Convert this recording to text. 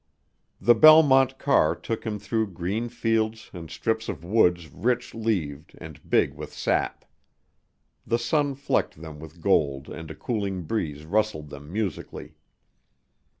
The Belmont car took him through green fields and strips of woods rich leaved and big with sap. The sun flecked them with gold and a cooling breeze rustled them musically.